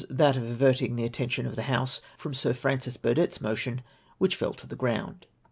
that of averting the attention of the House from Sir Francis Burdett's motion, which fell to the ground.